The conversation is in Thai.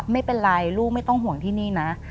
ไม่เป็นไรลูกไม่ต้องห่วงที่นี่นะ